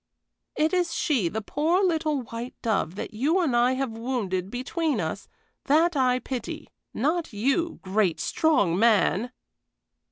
It is she, the poor, little white dove, that you and I have wounded between us, that I pity, not you great, strong man!"